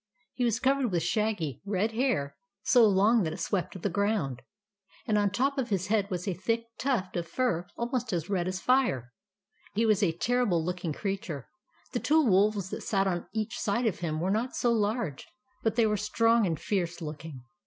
He was cov ered with shaggy, red hair, so long that it swept the ground, and on the top of his head was a thick tuft of fur almost as red as fire. He was a terrible looking creature. The two wolves that sat on each side of him were not so large ; but they were strong and fierce looking.